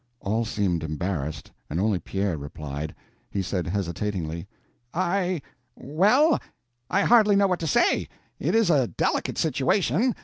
All seemed embarrassed, and only Pierre replied. He said, hesitatingly: "I—well, I hardly know what to say. It is a delicate situation.